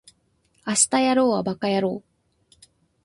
明日やろうはバカやろう